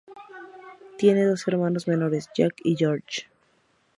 Tiene dos hermanos menores, Jack y George.